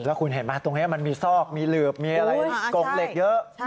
แล้วคุณเห็นไหมตรงนี้มันมีซอกมีหลืบมีอะไรกงเหล็กเยอะ